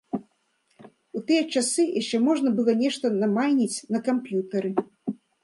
У тыя часы яшчэ можна было нешта намайніць на камп'ютары.